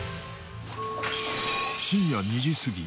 深夜２時すぎ